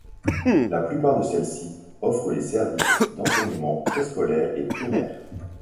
La plupart de celles-ci offrent les services d’enseignement préscolaire et primaire.